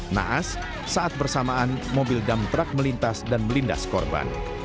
naas saat bersamaan mobil damtrak melintas dan melindas korban